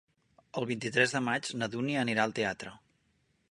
El vint-i-tres de maig na Dúnia anirà al teatre.